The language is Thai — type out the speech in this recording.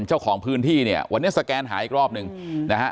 เจ้าของพื้นที่เนี่ยวันนี้สแกนหาอีกรอบหนึ่งนะฮะ